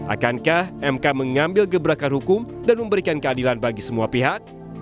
akankah mk mengambil gebrakan hukum dan memberikan keadilan bagi semua pihak